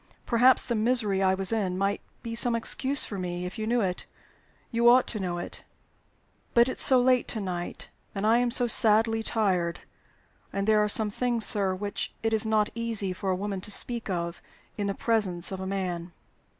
Perhaps the misery I was in might be some excuse for me, if you knew it. You ought to know it. But it's so late to night, and I am so sadly tired and there are some things, sir, which it is not easy for a woman to speak of in the presence of a man."